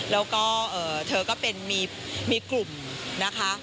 แล้วก็เธอก็เป็นมีกลุ่มนะคะ